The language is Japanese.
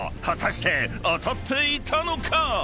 ［果たして当たっていたのか⁉］